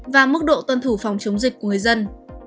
và mức độ tuân thủ phòng chống dịch của người dân